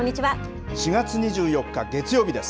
４月２４日月曜日です。